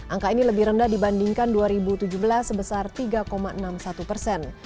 angka ini lebih rendah dibandingkan dua ribu tujuh belas sebesar tiga enam puluh satu persen